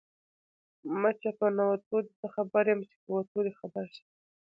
ـ مچه په نتو دې څه خبر يم ،چې په وتو دې خبر شم.